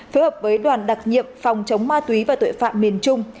phối hợp với đoàn đặc nhiệm phòng chống ma túy và tội phạm miền trung